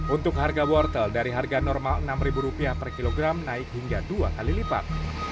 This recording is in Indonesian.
untuk harga wortel dari harga normal rp enam per kilogram naik hingga dua kali lipat